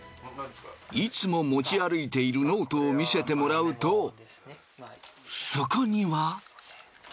いつも持ち歩いているノートを見せてもらうとそこには。